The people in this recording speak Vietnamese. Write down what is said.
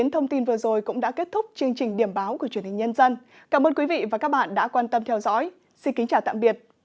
thông tin vừa rồi cũng đã kết thúc chương trình điểm báo của truyền hình nhân dân cảm ơn quý vị và các bạn đã quan tâm theo dõi xin kính chào tạm biệt và hẹn gặp lại